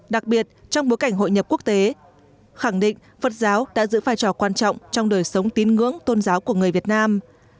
đặc biệt trong bối cảnh hội nhập quốc tế khẳng định phật giáo đã giữ vai trò quan trọng trong đời sống tín ngưỡng tôn giáo của người việt nam